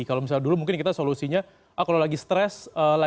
kalau misalnya dulu mungkin kita solusinya kalau lagi stres